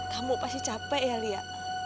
kamu pasti capek ya lia